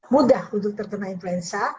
mudah untuk terkena influenza